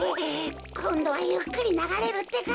こんどはゆっくりながれるってか。